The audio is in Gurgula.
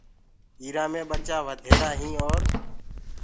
ايٚرآ مي ٻچآ وڌهيرآ هين اور